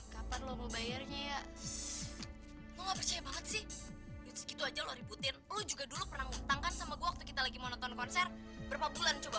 kalau ada pesen atau ada sesuatu titipin aja sama saya pak